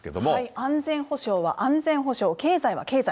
安全保障は安全保障、経済は経済。